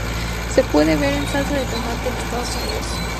Se puede ver en salsa de tomate en Estados Unidos.